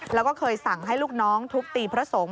แล้วก็เคยสั่งให้ลูกน้องทุบตีพระสงฆ์